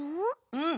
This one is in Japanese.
「うん。